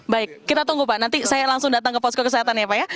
baik kita tunggu pak nanti saya langsung datang ke posko kesehatan ya pak ya